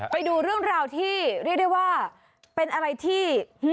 ไปดูเรื่องราวที่เรียกได้ว่าเป็นอะไรที่